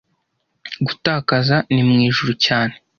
gutakaza ni mwijuru cyane